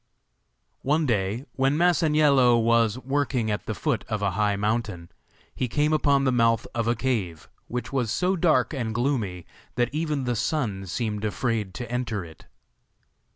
One day, when Masaniello was working at the foot of a high mountain, he came upon the mouth of a cave which was so dark and gloomy that even the sun seemed afraid to enter it.